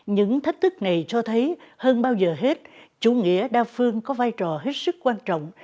những thách thức này cho thấy hơn bao giờ hết chủ nghĩa đa phương có vai trò hết sức quan trọng